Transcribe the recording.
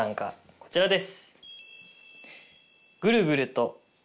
こちらです。